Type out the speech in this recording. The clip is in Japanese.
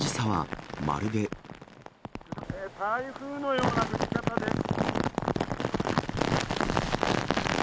台風のような降り方です。